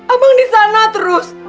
abang di sana terus